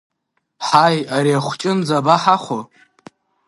Ҳаи, ари ахәҷынӡа абаҳахәо?!